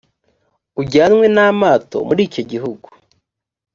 ujyanwe n’amato muri icyo gihugu,